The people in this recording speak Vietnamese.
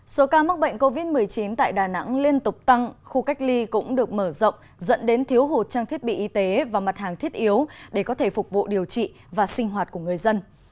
số ca mắc bệnh covid một mươi chín tại đà nẵng liên tục tăng khu cách ly cũng được mở rộng dẫn đến thiếu hụt trang thiết bị y tế và mặt hàng thiết yếu để có thể phục vụ điều trị và sinh hoạt của người dân